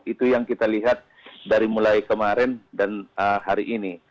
itu yang kita lihat dari mulai kemarin dan hari ini